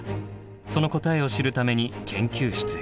その答えを知るために研究室へ。